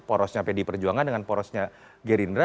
porosnya pd perjuangan dengan porosnya gerindra